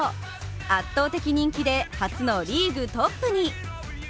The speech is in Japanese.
圧倒的人気で、初のリーグトップに。